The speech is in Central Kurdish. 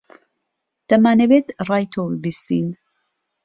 دەمانەوێت ڕای تۆ ببیستین.